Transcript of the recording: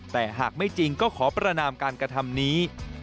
แต่หากไม่จริงก็ขอประนามการกระทำนี้